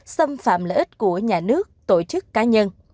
xâm phạm lợi ích của nhà nước tổ chức cá nhân